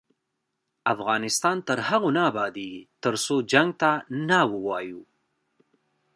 افغانستان تر هغو نه ابادیږي، ترڅو جنګ ته نه ووایو.